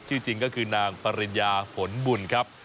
จริงก็คือนางปริญญาผลบุญครับ